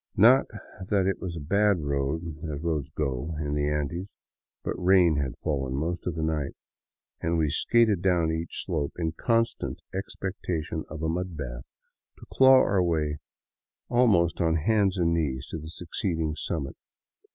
Not that it was a bad road, as roads go in the Andes, but rain had fallen most of the night, and we skated down each slope in constant expectation of a mud bath, to claw our way almost on hands and knees to the succeeding summit.